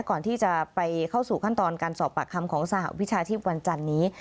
ก่อนที่จะไปเข้าสู่ขั้นตอนการสอบปากคำของสหวิชาชีพวันจันนี้